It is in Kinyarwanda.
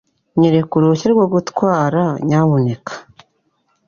Nyereka uruhushya rwo gutwara, nyamuneka.